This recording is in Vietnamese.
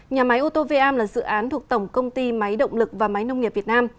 nhà máy ô tô vam là dự án thuộc tổng công ty máy động lực và máy nông nghiệp việt nam